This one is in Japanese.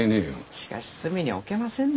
しかし隅に置けませんね